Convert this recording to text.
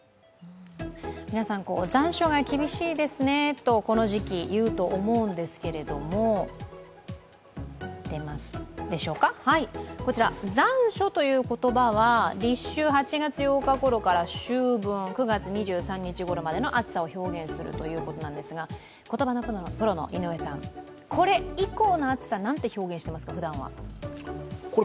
皆さん、残暑が厳しいですねとこの時期いうと思うんですけれども残暑という言葉は立秋８月８日ごろから秋分、９月２３日ごろまでの暑さを表現すると思うんですが、言葉のプロの井上さん、これ以降の暑さ、ふだんはなんて表現してますか？